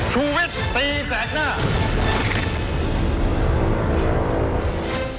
ชุวิตตีแสงหน้า